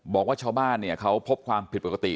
บอกว่าชาวบ้านเนี่ยเขาพบความผิดปกติ